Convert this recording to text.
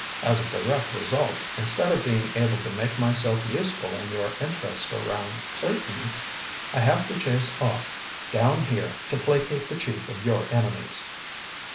As a direct result, instead of being able to make myself useful in your interests around Clayton, I have to chase off down here to placate the chief of your enemies."